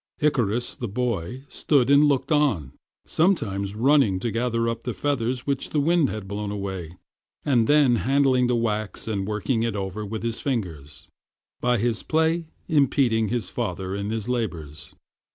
Icarus, the boy, stood and looked on, sometimes running to gather up the feathers which the wind had blown away, and then handling the wax and working it over with his fingers, by his play impeding his father in his labors.